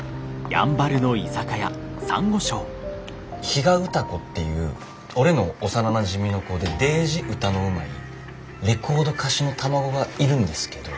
比嘉歌子っていう俺の幼なじみの子でデージ歌のうまいレコード歌手の卵がいるんですけど。